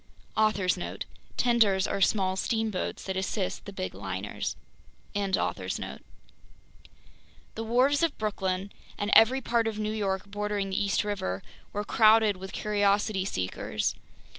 * *Author's Note: Tenders are small steamboats that assist the big liners. The wharves of Brooklyn, and every part of New York bordering the East River, were crowded with curiosity seekers.